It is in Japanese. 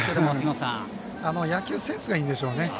野球センスがいいんでしょうね。